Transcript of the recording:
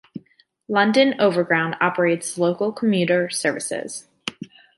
London Overground operates local commuter services.